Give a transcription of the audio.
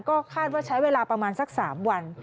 ก็คาดว่าใช้เวลาประมาณสัก๓วัน